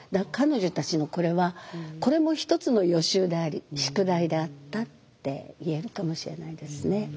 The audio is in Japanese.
彼女たちのこれはこれも一つの予習であり宿題であったって言えるかもしれないですね。